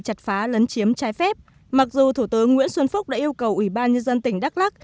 chặt phá lấn chiếm trái phép mặc dù thủ tướng nguyễn xuân phúc đã yêu cầu ubnd tỉnh đắk lắc